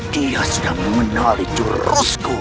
dia sedang mengenali jurusku